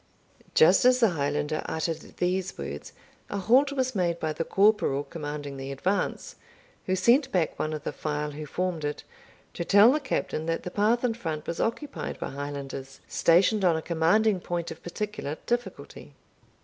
Just as the Highlander uttered these words, a halt was made by the corporal commanding the advance, who sent back one of the file who formed it, to tell the Captain that the path in front was occupied by Highlanders, stationed on a commanding point of particular difficulty.